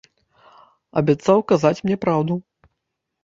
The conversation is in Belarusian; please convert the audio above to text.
Абяцаў казаць мне праўду.